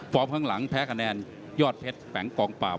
ข้างหลังแพ้คะแนนยอดเพชรแปงกองปราบ